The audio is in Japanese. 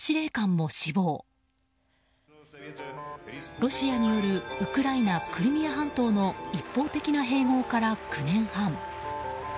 ロシアによるウクライナ・クリミア半島の一方的な併合から９年半。